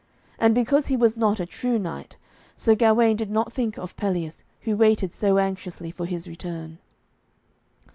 And because he was not a true knight, Sir Gawaine did not think of Pelleas, who waited so anxiously for his return.